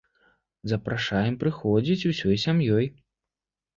Запрашаем прыходзіць усёй сям'ёй!